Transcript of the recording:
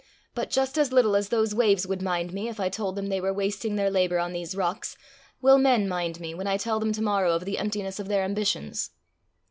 But just as little as those waves would mind me, if I told them they were wasting their labour on these rocks, will men mind me, when I tell them to morrow of the emptiness of their ambitions."